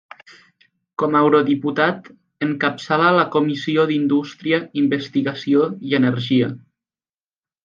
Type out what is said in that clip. Com a eurodiputat encapçala la Comissió d'Indústria, Investigació i Energia.